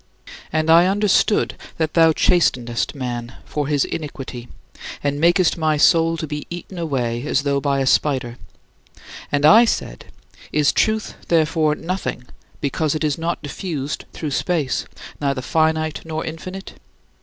And I understood that thou chastenest man for his iniquity, and makest my soul to be eaten away as though by a spider. And I said, "Is Truth, therefore, nothing, because it is not diffused through space neither finite nor infinite?"